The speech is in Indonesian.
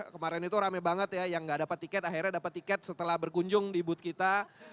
kemarin itu rame banget ya yang gak dapat tiket akhirnya dapat tiket setelah berkunjung di booth kita